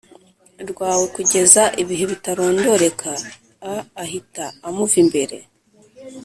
Rwawe kugeza ibihe bitarondoreka a ahita amuva imbere